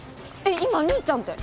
今「兄ちゃん」って。